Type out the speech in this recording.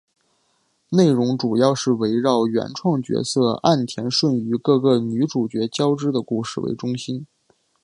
内容主要是围绕原创角色岸田瞬与各个女主角交织的故事为中心。